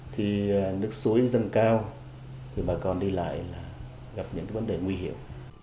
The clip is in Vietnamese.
khi nước suối dâng cao bà con đi lại là gặp những vấn đề nguy hiểm